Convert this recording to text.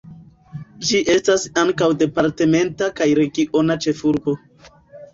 Ĝi estas ankaŭ departementa kaj regiona ĉefurbo.